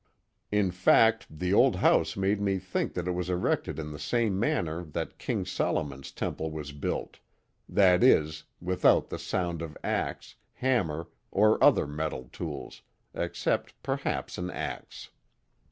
In fact, the old house made me think that it was erected in the same manner that King Solomon's temple was built, — that is, without the sound of axe, hammer, or other metal tools— except perhaps an axe.